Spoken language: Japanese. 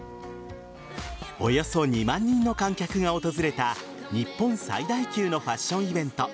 およそ２万人の観客が訪れた日本最大級のファッションイベント